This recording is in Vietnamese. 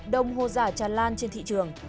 đồng hồ giả tràn lan trên thị trường